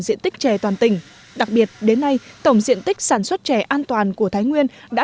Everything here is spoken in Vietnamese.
diện tích chè toàn tỉnh đặc biệt đến nay tổng diện tích sản xuất chè an toàn của thái nguyên đã